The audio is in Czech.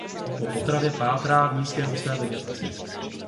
Po potravě pátrá v nízké husté vegetaci.